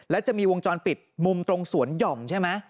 แล้วจะมีวงจรปิดมุมตรงสวนหย่อมใช่ไหม